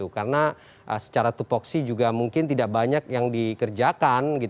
karena secara topoksi juga mungkin tidak banyak yang dikerjakan